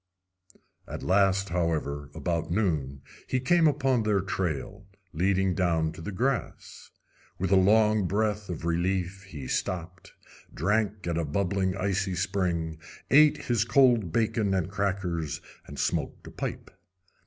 At last, however, about noon, he came upon their trail, leading down to the grass. With a long breath of relief, he stopped, drank at a bubbling icy spring, ate his cold bacon and crackers, and smoked a pipe.